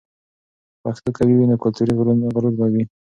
که پښتو قوي وي، نو کلتوري غرور به وي.